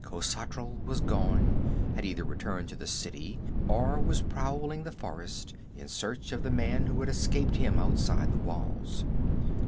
Khosatral was gone had either returned to the city or was prowling the forest in search of the man who had escaped him outside the walls.